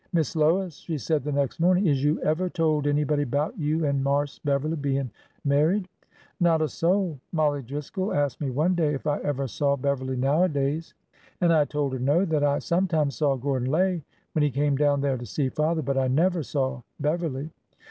Miss Lois,'' she said the next morning, " is you ever told anybody 'bout you an' Marse Beverly bein' mar ried?" Not a soul. Mollie Driscoll asked me one day if I ever saw Beverly nowadays, and I told her no,— that I sometimes saw Gordon Lay when he came down there to see father, but I never saw Beverly."